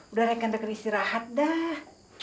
udah rekender kerisir rahat dah